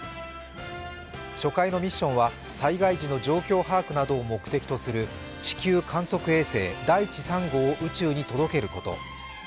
初回のミッションは災害時の状況把握などを目的とする地球観測衛星「だいち３号」を宇宙に届けること。